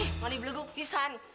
eh mani beleduk pisan